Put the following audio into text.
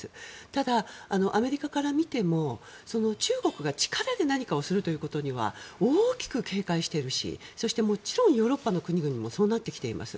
ただ、アメリカから見ても中国が力で何かをするということには大きく警戒しているしそしてもちろんヨーロッパの国々もそうなってきています。